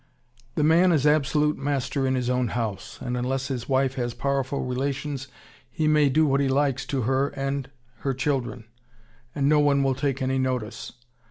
The man is absolute master in his own house, and unless his wife has powerful relations he may do what he likes to her and her children, and no one will take any notice.